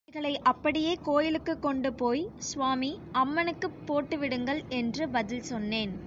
அவைகளை அப்படியே கோயிலுக்குக் கொண்டுபோய், ஸ்வாமி, அம்மனுக்குப் போட்டுவிடுங்கள்! என்று பதில் சொன்னேன்.